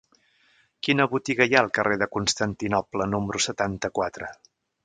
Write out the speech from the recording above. Quina botiga hi ha al carrer de Constantinoble número setanta-quatre?